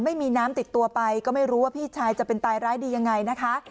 ไม่มีน้ำติดตัวไปก็ไม่รู้ว่าพี่ชายจะเป็นตายร้ายดียังไงนะคะ